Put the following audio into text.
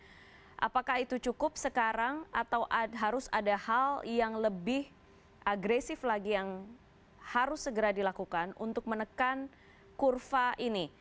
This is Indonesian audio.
apakah itu cukup sekarang atau harus ada hal yang lebih agresif lagi yang harus segera dilakukan untuk menekan kurva ini